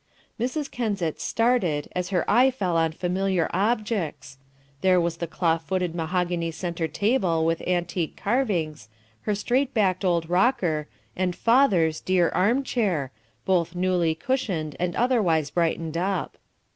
Mrs. Kensett started as her eye fell on familiar objects; there was the claw footed mahogany centre table with antique carvings, her straight backed old rocker, and "father's" dear arm chair, both newly cushioned, and otherwise brightened up.